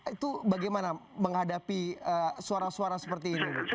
itu bagaimana menghadapi suara suara seperti ini